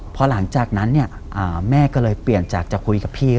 พอหลังจากนั้นเนี่ยแม่ก็เลยเปลี่ยนจากจะคุยกับพี่